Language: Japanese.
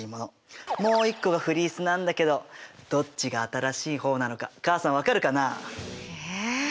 もう一個がフリースなんだけどどっちが新しい方なのか母さん分かるかな？え？